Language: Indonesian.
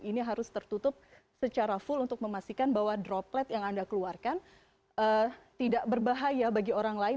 ini harus tertutup secara full untuk memastikan bahwa droplet yang anda keluarkan tidak berbahaya bagi orang lain